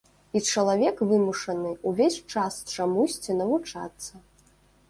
І чалавек вымушаны ўвесь час чамусьці навучацца.